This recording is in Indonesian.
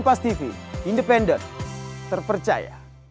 pak yusril sendiri pak